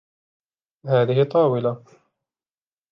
هذه طاولة.